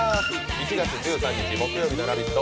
７月１３日木曜日の「ラヴィット！」